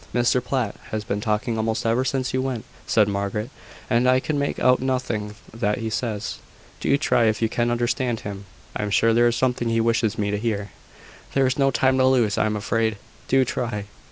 "Mr Platt has been talking almost ever since you went," said Margaret; "and I can make out nothing that he says. Do try if you can understand him. I am sure there is something he wishes me to hear. There is no time to lose, I am afraid. Do try."